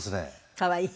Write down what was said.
可愛い？